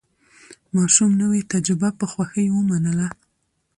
ماشوم نوې تجربه په خوښۍ ومنله